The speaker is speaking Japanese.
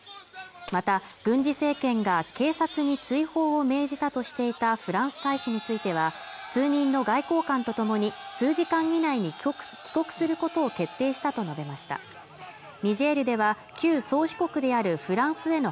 また軍事政権が警察に追放を命じたとしていたフランス大使については数人の外交官と共に数時間以内に帰国することを決定したと述べましたじゃがりこ細いやーつ